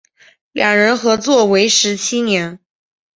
两人合作为时七年。